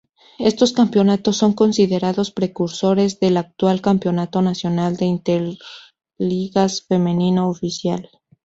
Estos campeonatos son considerados precursores del actual campeonato nacional de interligas femenino oficial.